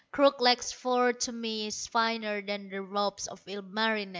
Crook leg's fur to me is finer Than the robes of Ilmarinen."